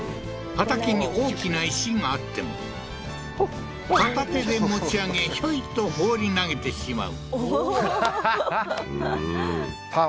畑に大きな石があっても片手で持ち上げヒョイと放り投げてしまうおおーははは